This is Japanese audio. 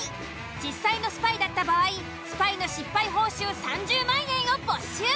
実際のスパイだった場合スパイの失敗報酬３０万円を没収。